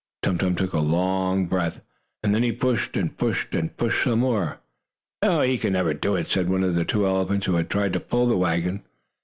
Tum Tum took a long breath, and then he pushed, and pushed and pushed some more. "He can never do it," said one of the two elephants who had tried to pull the wagon.